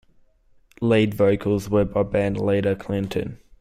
Lead vocals were by bandleader Clinton.